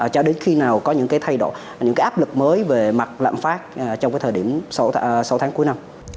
cho đến khi nào có những cái thay đổi những cái áp lực mới về mặt lạm phát trong cái thời điểm sáu tháng cuối năm